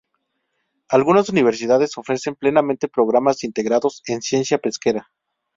Algunas universidades ofrecen plenamente programas integrados en ciencia pesquera.